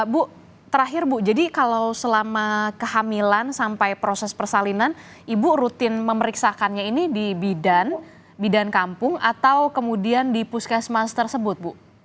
bu terakhir bu jadi kalau selama kehamilan sampai proses persalinan ibu rutin memeriksakannya ini di bidan bidan kampung atau kemudian di puskesmas tersebut bu